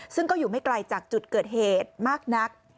ซึ่งก็อยู่ไม่ไกลจากจุดเกิดเหตุมากนัก